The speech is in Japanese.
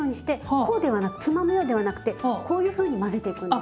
こうではなくつまむようでなくてこういうふうに混ぜていくんです。